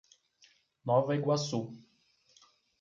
Nova Iguaçu